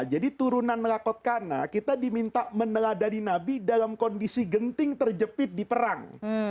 jadi turunan lakot kana kita diminta meneladani nabi dalam kondisi genting terjepit di perang